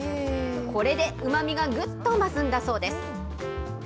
これで、うまみがぐっと増すんだそうです。